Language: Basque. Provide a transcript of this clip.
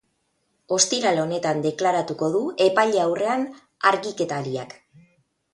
Ostiral honetan deklaratuko du epaile aurrean argiketariak.